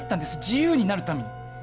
自由になるために。